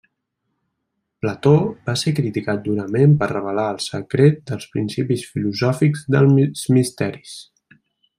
Plató va ser criticat durament per revelar el secret dels principis filosòfics dels Misteris.